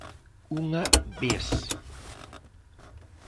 Unha vez.